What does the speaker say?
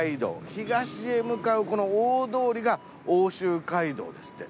東へ向かうこの大通りが奥州街道ですって。